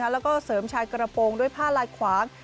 แล้วก็เสริมชายกระโปรงด้วยผ้าลายขวาง